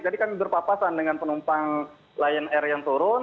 jadi kami berpapasan dengan penumpang lion air yang turun